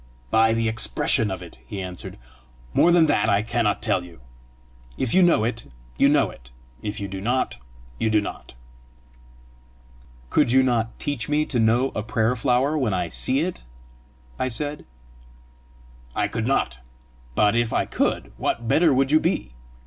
"By the expression of it," he answered. "More than that I cannot tell you. If you know it, you know it; if you do not, you do not." "Could you not teach me to know a prayer flower when I see it?" I said. "I could not. But if I could, what better would you be?